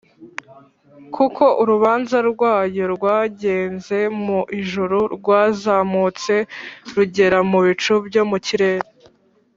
kuko urubanza rwayo rwageze mu ijuru rwarazamutse rugera mu bicu byo mu kirere